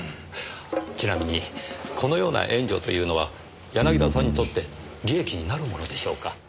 ちなみにこのような援助というのは柳田さんにとって利益になるものでしょうか？